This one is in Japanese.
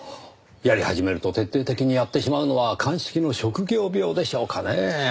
やり始めると徹底的にやってしまうのは鑑識の職業病でしょうかねぇ。